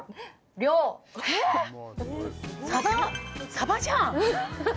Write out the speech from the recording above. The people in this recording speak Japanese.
サバじゃん！